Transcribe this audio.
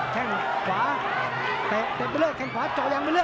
แข่งขวาเต็มไปเรื่องแข่งขวาเจาะอย่างบนเรือ